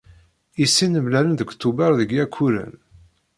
I sin mlalen deg Tubeṛ deg Iɛekkuren.